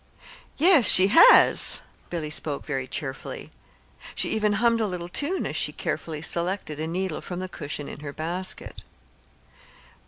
"Yes, she has." Billy spoke very cheerfully. She even hummed a little tune as she carefully selected a needle from the cushion in her basket.